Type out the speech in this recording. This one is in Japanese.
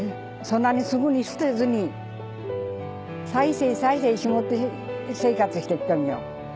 そんなにすぐに捨てずに再生再生しもって生活して来とんよ。